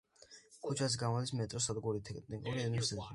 ქუჩაზე გამოდის მეტროს სადგური „ტექნიკური უნივერსიტეტი“.